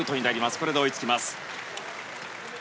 これで追いつきます。